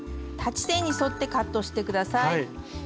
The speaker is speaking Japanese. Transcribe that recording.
裁ち線に沿ってカットしてください。